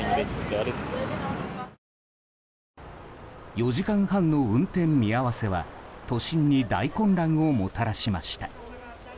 ４時間半の運転見合わせは都心に大混乱をもたらしました。